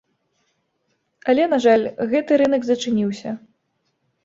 Але, на жаль, гэты рынак зачыніўся.